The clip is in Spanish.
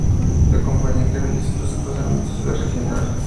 La compañía que realiza los desplazamientos es "La Regional".